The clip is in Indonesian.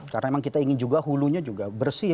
karena memang kita ingin juga hulunya juga bersih